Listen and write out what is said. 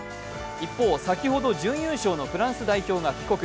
一方、先ほど準優勝のフランス代表が帰国。